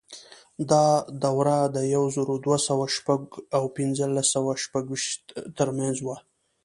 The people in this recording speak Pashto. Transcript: دا دوره د یو زر دوه سوه شپږ او پنځلس سوه شپږویشت ترمنځ وه.